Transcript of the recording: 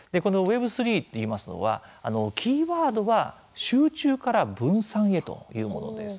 このＷｅｂ３といいますのはキーワードは集中から分散へというものです。